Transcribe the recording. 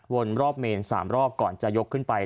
รอบเมน๓รอบก่อนจะยกขึ้นไป